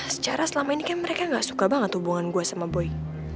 secara selama ini kan mereka gak suka banget hubungan gue sama boy